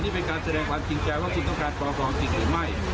นี่เป็นการแสดงความจริงใจว่าคุณต้องการปกครองจริงหรือไม่